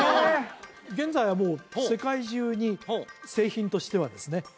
現在はもう世界中に製品としてはですね